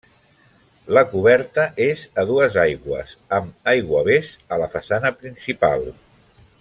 La coberta és a dues aigües amb aiguavés a la façana principal.